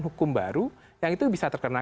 hukum baru yang itu bisa terkena